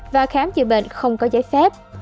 và khám chữa bệnh không có giấy phép